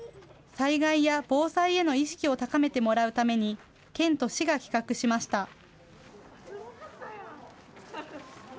災害や防災への意識を高めてもらうために、県と市が企画しました。